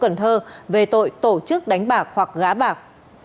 công an thành phố cần thơ về tội tổ chức đánh bạc hoặc gá bạc